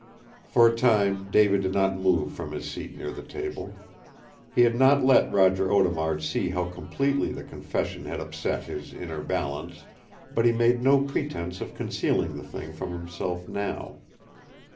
For a time David did not move from his seat near the table. He had not let Roger Audemard see how completely the confession had upset his inner balance, but he made no pretense of concealing the thing from himself now.